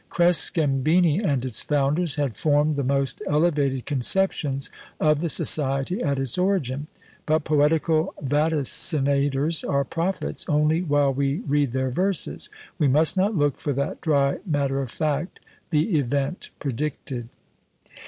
Crescembini, and its founders, had formed the most elevated conceptions of the society at its origin; but poetical vaticinators are prophets only while we read their verses we must not look for that dry matter of fact the event predicted!